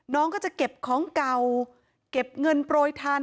น้องก็จะเก็บของเก่าเก็บเงินโปรยทาน